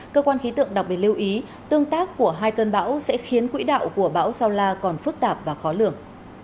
cơ quan khí tượng đặc biệt lưu ý tương tác của hai cơn bão sẽ khiến quỹ đạo của bão sao la còn phức tạp và khó lường